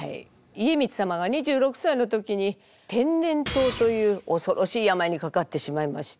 家光様が２６歳の時に天然痘という恐ろしい病にかかってしまいまして。